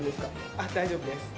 あっ、大丈夫です。